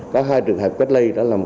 có hai trường hợp cách ly